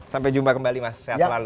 sampai jumpa kembali mas sehat selalu